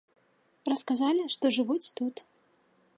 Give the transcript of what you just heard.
Расказалі, што жывуць тут.